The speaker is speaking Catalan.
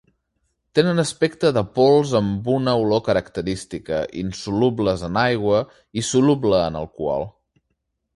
Tenen aspecte de pols amb una olor característica, insolubles en aigua i soluble en alcohol.